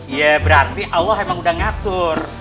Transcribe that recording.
ya berarti allah emang udah ngatur